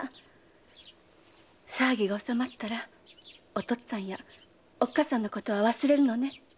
騒ぎが収まったらお父っつぁんやおっかさんのことは忘れるのね。